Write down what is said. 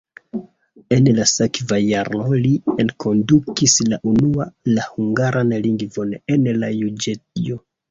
En la sekva jaro li enkondukis la unua la hungaran lingvon en la juĝejo.